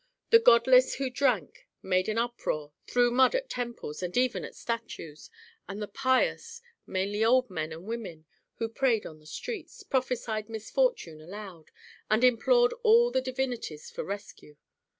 The godless who drank, made an uproar, threw mud at temples and even at statues, and the pious, mainly old men and women who prayed on the streets, prophesied misfortune aloud and implored all the divinities for rescue.